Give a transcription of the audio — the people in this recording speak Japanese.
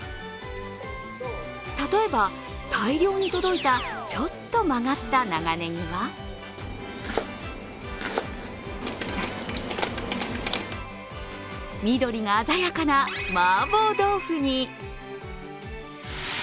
例えば、大量に届いたちょっと曲がった長ネギは緑が鮮やかなマーボー豆腐に。